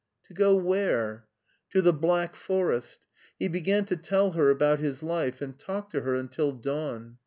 " To go where ?"" To the Black Forest/' He began to tell her about his life, and talked to her until dawn.